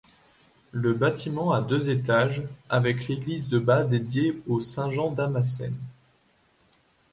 Le bâtiment a deux étages, avec l'église de bas dédiée au saint Jean Damascène.